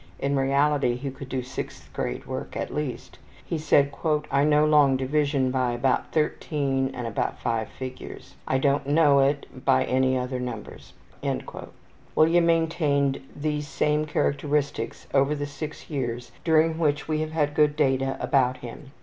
(In reality he could do sixth grade work at least.) He said, ``I know long division by about 13 and about 5 figures. I don't know it by any other numbers.'' William maintained these same characteristics over the 6 years during which we have good data about him.